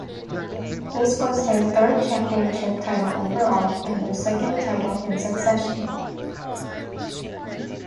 This was their third championship title overall and their second title in succession.